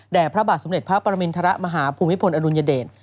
แด่พระบาทสำเร็จพระปรมินทรมาหาภูมิพลอดุลยเดชน์